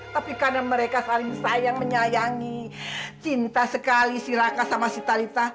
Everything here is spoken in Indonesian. tapi karena mereka saling sayang menyayangi cinta sekali si raka sama si talitha